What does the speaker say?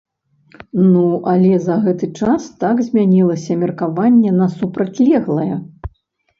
Ну але за гэты час так змянілася меркаванне на супрацьлеглае.